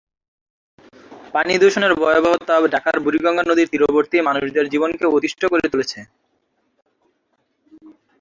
পানি দূষণের ভয়াবহতা ঢাকার বূড়িগঙ্গা নদীর তীরবর্তী মানুষদের জীবনকে অতিষ্ট করে তুলেছে।